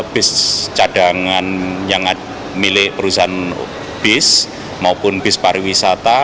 bis cadangan yang milik perusahaan bis maupun bis pariwisata